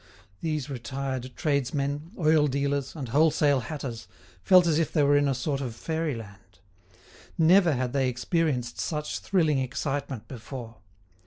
These retired tradesmen, oil dealers, and wholesale hatters, felt as if they were in a sort of fairyland. Never had they experienced such thrilling excitement before.